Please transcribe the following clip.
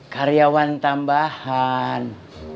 karyawan tambah hal yang sama dengan masjid itu